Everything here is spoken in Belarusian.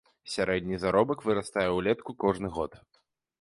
Сярэдні заробак вырастае ўлетку кожны год.